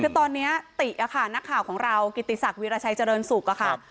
เพราะตอนเนี้ยติอะค่ะนักข่าวของเรากิติศักดิ์วิราชัยเจริญสุกค่ะครับ